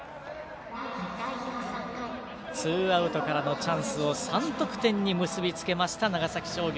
ツーアウトからのチャンスを３得点に結びつけました長崎商業。